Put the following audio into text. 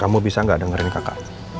kamu bisa nggak dengerin kakak